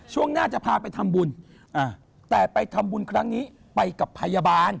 ช่วงหน้าจะพาไปทำบุญแต่ไปทำบุญครั้งนี้ไปกับพยาบาล